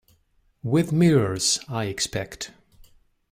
With mirrors, I expect.